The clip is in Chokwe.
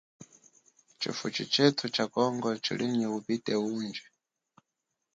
Tshifuchi tshetu tsha congo tshili nyi ubite undji.